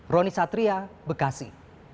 roni satria bekasi